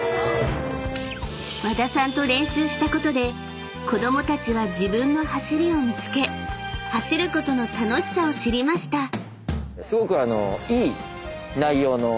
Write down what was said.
［和田さんと練習したことで子供たちは自分の走りを見つけ走ることの楽しさを知りました］